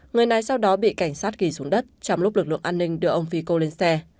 người này sau đó bị cảnh sát ghi xuống đất trong lúc lực lượng an ninh đưa ông fico lên xe